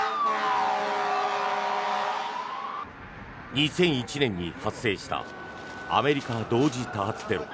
２００１年に発生したアメリカ同時多発テロ。